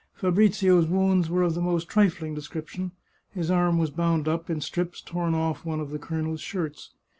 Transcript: Fabrizio's wounds were of the most trifling description ; his arm was bound up in strips torn off one of the colonel's shirts.